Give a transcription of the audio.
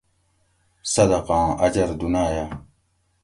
صدقاں اجر دُناۤیہ